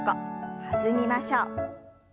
弾みましょう。